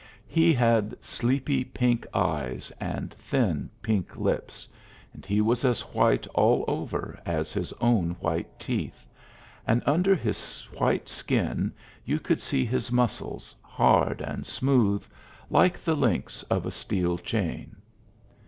He had sleepy pink eyes and thin pink lips, and he was as white all over as his own white teeth, and under his white skin you could see his muscles, hard and smooth, like the links of a steel chain.